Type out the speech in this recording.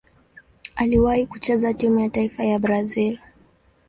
Aliwahi kucheza timu ya taifa ya Brazil.